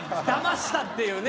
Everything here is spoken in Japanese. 騙したっていうね。